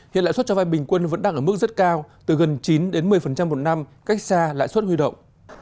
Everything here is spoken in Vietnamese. hiện lãi suất cho vai bình quân vẫn đang ở mức rất cao từ gần chín một mươi một năm cách xa lãi suất huy động